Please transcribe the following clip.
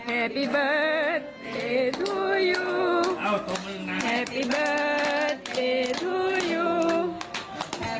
อาจิตายให้ลูกให้พ่อไปเครื่องสวรรค์นะลูกค่ะ